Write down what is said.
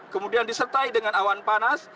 kemudian disertai dengan awan panas